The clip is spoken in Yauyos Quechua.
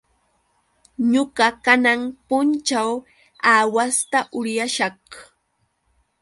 Ñuqa kanan punćhaw aawasta uryashaq.